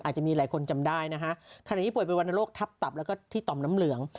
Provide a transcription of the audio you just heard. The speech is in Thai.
อาจจะมีหลายคนจำได้นะคะฐานีที่ป่วยเป็นวันโรคทับแล้วก็ที่ต่ำน้ำเหลือง